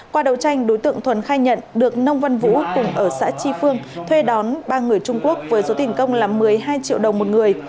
qua đầu tranh đối tượng thuần khai nhận được nông văn vũ cùng ở xã tri phương thuê đón ba người trung quốc với số tiền công là một mươi hai triệu đồng một người